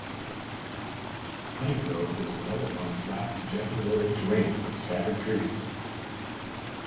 Honey Grove was developed on flat to gently rolling terrain with scattered trees.